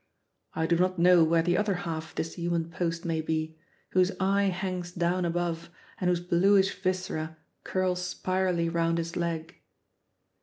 I do not know where the other half of this human post may be, whose eye hangs down above and whose bluish viscera curl spirally round his leg.